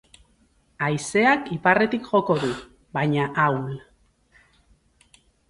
Haizeak iparretik joko du, baina ahul.